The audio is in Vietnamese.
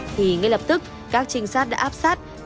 thì ngay lập tức các trinh sát đã áp sát